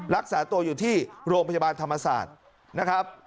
รักษาตัวอยู่ที่โรงพยาบาลธรรมศาสตร์นะครับ